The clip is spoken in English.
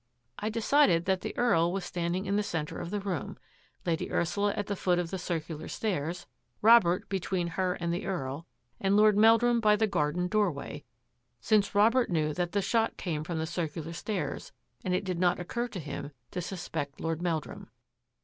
I de cided that the Earl was standing in the centre of the room. Lady Ursula at the foot of the circular stairs, Robert between her and the Earl, and Lord Meldrum by the garden doorway, since Robert knew that the shot came from the circular stairs and it did not occur to him to suspect Lord Mel drum.